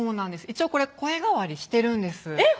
一応これ声変わりしてるんですえっ